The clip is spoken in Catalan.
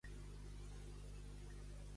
És ric aquell que està bé amb Déu.